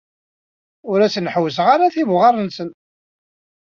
Ur asen-ḥewwseɣ tibuɣar-nsen.